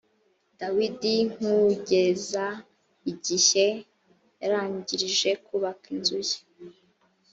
dawidi n kugeza igihe yarangirije kubaka inzu ye